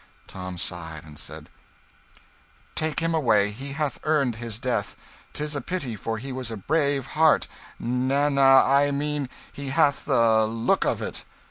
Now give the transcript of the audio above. Tom sighed, and said "Take him away he hath earned his death. 'Tis a pity, for he was a brave heart na na, I mean he hath the look of it!"